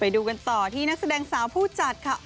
ดูกันต่อที่นักแสดงสาวผู้จัดค่ะ